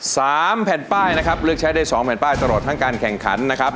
สามแผ่นป้ายนะครับเลือกใช้ได้สองแผ่นป้ายตลอดทั้งการแข่งขันนะครับ